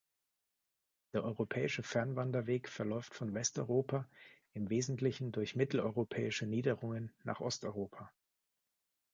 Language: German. Der Europäische Fernwanderweg verläuft von Westeuropa im Wesentlichen durch mitteleuropäische Niederungen nach Osteuropa.